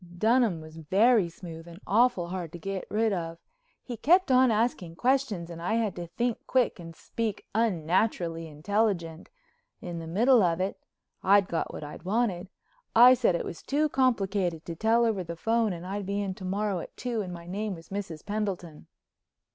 Dunham was very smooth and awful hard to get rid of. He kept on asking questions and I had to think quick and speak unnaturally intelligent. In the middle of it—I'd got what I wanted—I said it was too complicated to tell over the phone and I'd be in to morrow at two and my name was Mrs. Pendleton.